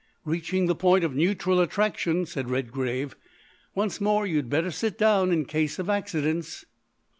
"Reaching the point of neutral attraction," said Redgrave; "once more you'd better sit down in case of accidents."